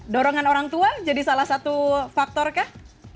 dorongan orang tua jadi salah satu faktorkah